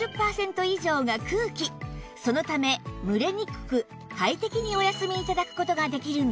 そのため蒸れにくく快適にお休み頂く事ができるんです